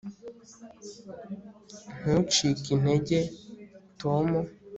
ntucike intege, tom